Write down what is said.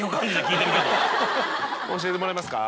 「教えてもらえますか？」